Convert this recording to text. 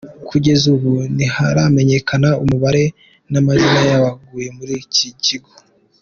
Kugeza ubu ntiharamenyekana umubare n’amazina y’abaguye muri iki kigo.